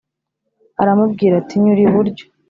Aramubwira ati nyura iburyo